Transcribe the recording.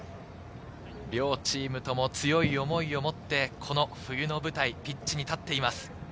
両チームとも強い思いを持って、この冬の舞台、ピッチに立っています。